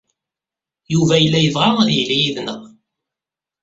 Yuba yella yebɣa ad yili yid-neɣ.